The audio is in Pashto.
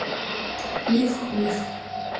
ويح ويح.